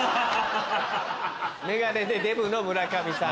メガネでデブの村上さん。